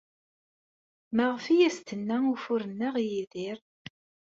Maɣef ay as-tenna ufur-nneɣ i Yidir?